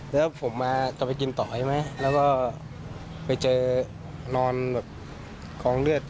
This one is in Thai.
แล้วผมมาจะไปกินต่อใช่ไหมแล้วก็ไปเจอนอนแบบกองเลือด